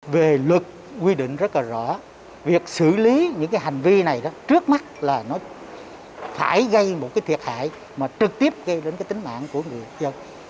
về luật quy định rất là rõ việc xử lý những cái hành vi này đó trước mắt là nó phải gây một cái thiệt hại mà trực tiếp gây đến cái tính mạng của người dân